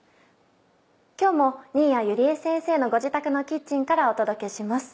今日も新谷友里江先生のご自宅のキッチンからお届けします。